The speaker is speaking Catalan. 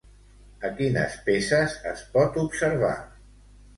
A quines peces es pot observar?